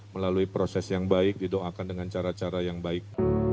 melalui proses yang baik didoakan dengan cara cara yang baik